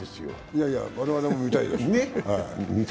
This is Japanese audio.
いやいや、我々も見たいですよ。